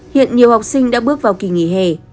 hiện nhiều học sinh đã bước vào kỳ nghỉ hè